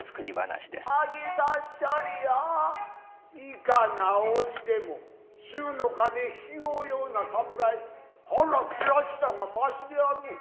いかなおじでも主の金引き負うような侍腹切らしたがましであろう。